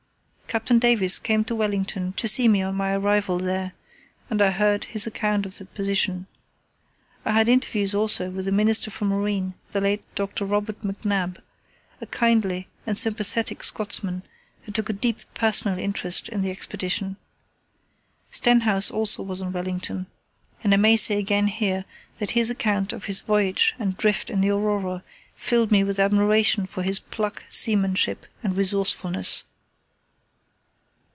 Captain Davis came to Wellington to see me on my arrival there, and I heard his account of the position. I had interviews also with the Minister for Marine, the late Dr. Robert McNab, a kindly and sympathetic Scotsman who took a deep personal interest in the Expedition. Stenhouse also was in Wellington, and I may say again here that his account of his voyage and drift in the Aurora filled me with admiration for his pluck, seamanship, and resourcefulness.